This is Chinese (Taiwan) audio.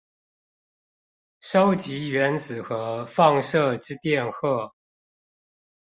收集原子核放射之電荷